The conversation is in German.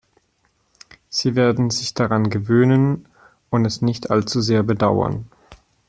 Sie werden sich daran gewöhnen und es nicht allzu sehr bedauern.